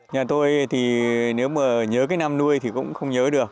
nhà tôi thì nếu mà nhớ cái năm nuôi thì cũng không nhớ được